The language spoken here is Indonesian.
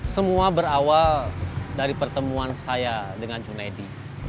semua berawal dari pertemuan saya dengan junaidi